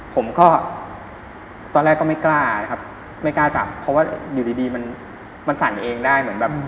ผมก็ตอนแรกก็ไม่กล้าครับไม่กล้าจับเพราะว่าอยู่ดีมันฝั่งเองได้